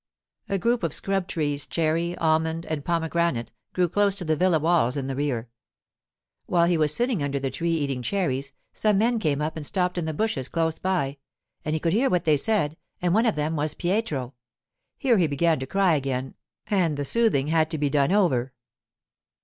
(A group of scrub trees, cherry, almond, and pomegranate, grew close to the villa walls in the rear.) While he was sitting under the tree eating cherries, some men came up and stopped in the bushes close by, and he could hear what they said, and one of them was Pietro. Here he began to cry again, and the soothing had to be done over.